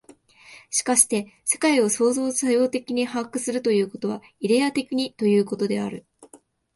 しかして世界を創造作用的に把握するということは、イデヤ的にということである。